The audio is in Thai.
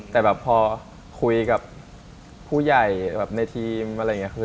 แต่พอคุยกับผู้ใหญ่ทิม